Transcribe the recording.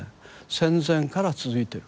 戦前から続いてる。